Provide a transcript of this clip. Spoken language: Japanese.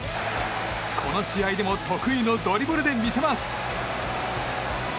この試合でも得意のドリブルで見せます。